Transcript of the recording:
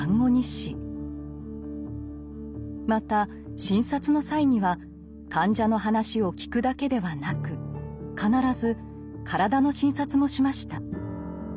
また診察の際には患者の話を聞くだけではなく必ず体の診察もしました。